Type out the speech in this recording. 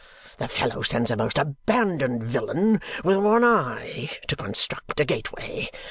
The fellow sends a most abandoned villain with one eye to construct a gateway.